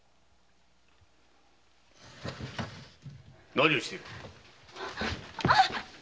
何をしている！